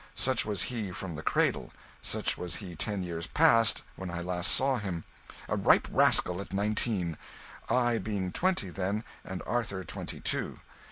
Such was he from the cradle; such was he ten years past, when I last saw him a ripe rascal at nineteen, I being twenty then, and Arthur twenty two.